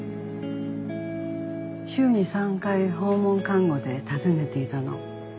週に３回訪問看護で訪ねていたの。